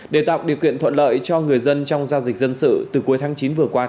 để tạo điều kiện thuận lợi cho người dân trong giao dịch dân sự từ cuối tháng chín vừa qua